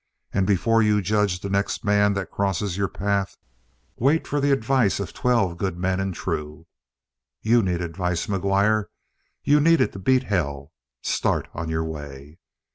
And before you judge the next man that crosses your path, wait for the advice of twelve good men and true. You need advice, McGuire. You need it to beat hell! Start on your way!"